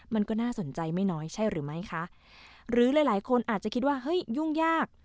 มันก็น่าสนใจไม่น้อยใช่หรือไหมคะหรือหลายหลายคนอาจจะคิดว่าเฮ้ยยุ่งยาก